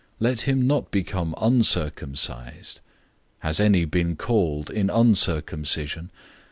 Let him not become uncircumcised. Has anyone been called in uncircumcision?